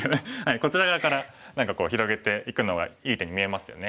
こちら側から広げていくのがいい手に見えますよね。